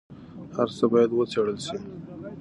هر څه باید وڅېړل سي.